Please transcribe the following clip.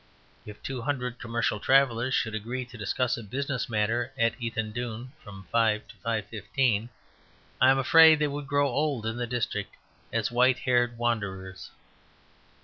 If two hurried commercial travellers should agree to discuss a business matter at Ethandune from 5 to 5.15, I am afraid they would grow old in the district as white haired wanderers.